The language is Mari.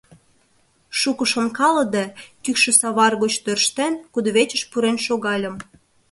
Шуко шонкалыде, кӱкшӧ савар гоч тӧрштен, кудывечыш пурен шогальым.